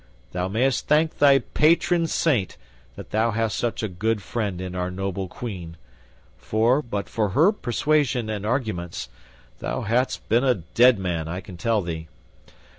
Thou mayst thank thy patron saint that thou hast such a good friend in our noble Queen, for, but for her persuasion and arguments, thou hadst been a dead man, I can tell thee.